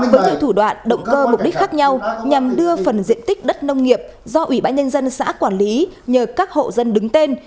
với nhiều thủ đoạn động cơ mục đích khác nhau nhằm đưa phần diện tích đất nông nghiệp do ủy ban nhân dân xã quản lý nhờ các hộ dân đứng tên